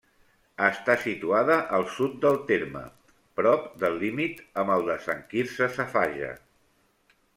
Està situada al sud del terme, prop del límit amb el de Sant Quirze Safaja.